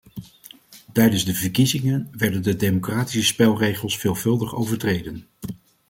Tijdens de verkiezingen werden de democratische spelregels veelvuldig overtreden.